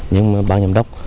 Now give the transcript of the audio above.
nhưng bác nhâm đốc